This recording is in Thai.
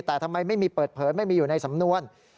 แต่ทำไมไม่มีเปิดเผยไม่มีอยู่ในสำนวน